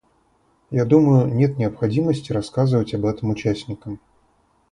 Я думаю, нет необходимости рассказывать об этом участникам.